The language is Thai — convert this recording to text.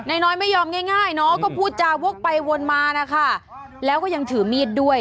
น้อยไม่ยอมง่ายเนาะก็พูดจาวกไปวนมานะคะแล้วก็ยังถือมีดด้วย